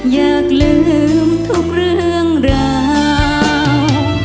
อยากลืมทุกเรื่องราว